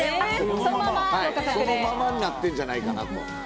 そのままになってんじゃないかなと。